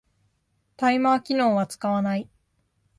タイマー機能は使わない